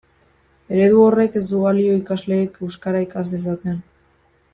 Eredu horrek ez du balio ikasleek euskara ikas dezaten.